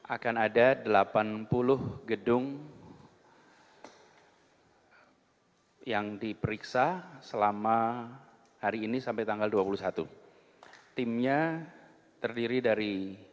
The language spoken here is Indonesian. akan ada delapan puluh gedung yang diperiksa selama hari ini sampai tanggal dua puluh satu timnya terdiri dari